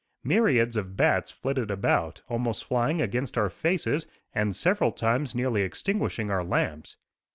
Myriads of bats flitted about, almost flying against our faces, and several times nearly extinguishing our lamps.